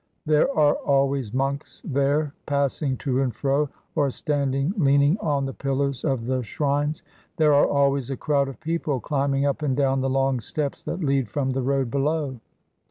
There are always monks there passing to and fro, or standing leaning on the pillars of the shrines; there are always a crowd of people climbing up and down the long steps that lead from the road below.